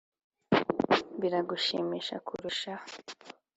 biragushimisha kurushaho